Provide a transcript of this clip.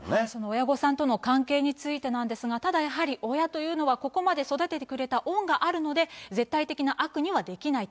親御さんとの関係についてなんですが、ただやはり親というのは、ここまで育ててくれた恩があるので、絶対的な悪にはできない。